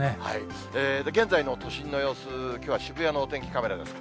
現在の都心の様子、きょうは渋谷のお天気カメラです。